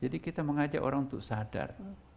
jadi kita mengajak orang untuk sadar